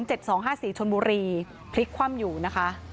เจ็ดสองห้าสี่ชนบุรีคลิกคว่ำอยู่นะคะ